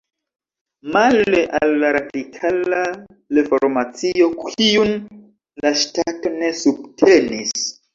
Male al la Radikala Reformacio, kiun la ŝtato ne subtenis.